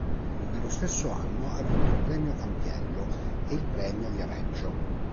Nello stesso anno ha vinto il Premio Campiello e il Premio Viareggio.